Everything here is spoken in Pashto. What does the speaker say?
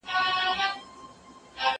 زه له سهاره لوښي وچوم